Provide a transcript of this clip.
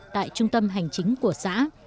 tại trung tâm hành chính của xã